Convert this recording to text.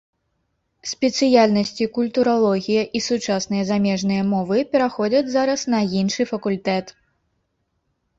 Спецыяльнасці культуралогія і сучасныя замежныя мовы пераходзяць зараз на іншы факультэт.